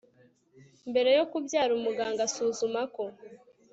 mbere yo kubyara umuganga asuzuma ko